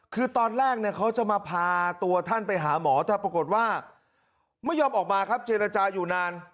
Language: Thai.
คือตอนแรกเนี่ยเขาจะมาพาตัวท่านไปหาหมอแต่ปรากฏว่าไม่ยอมออกมาครับเจรจาอยู่นาน